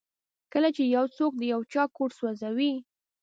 کله چې یو څوک د چا کور سوځوي.